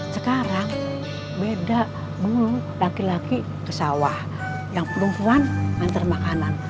sekarang beda bulu laki laki ke sawah yang perempuan antar makanan